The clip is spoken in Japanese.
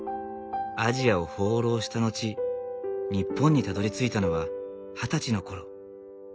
アジアを放浪した後日本にたどりついたのは二十歳の頃。